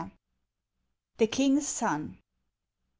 THE KING'S SON.